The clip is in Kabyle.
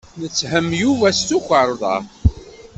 Netthem Yuba s tukerḍa.